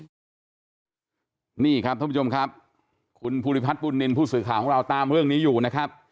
นี่ครับท่านผู้ชมครับคุณภูริพัฒนบุญนินทร์ผู้สื่อข่าวของเราตามเรื่องนี้อยู่นะครับ